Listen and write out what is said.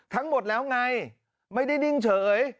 ทั้งหมดแล้วไงไม่ได้นิ่งเฉย